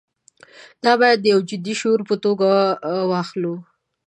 دا باید د یوه جدي شعور په توګه واخلو.